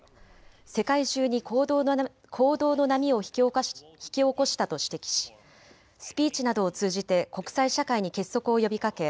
世界中に行動の波を引き起こしたと指摘しスピーチなどを通じて国際社会に結束を呼びかけ